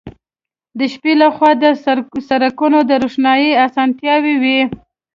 د شپې له خوا د سړکونو د روښنايي اسانتیاوې وې